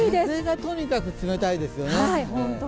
風がとにかく冷たいですよね。